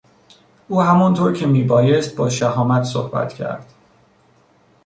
او همان طور که میبایست با شهامت صحبت کرد.